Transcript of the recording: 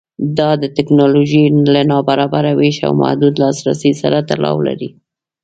دا د ټکنالوژۍ له نابرابره وېش او محدود لاسرسي سره تړاو لري.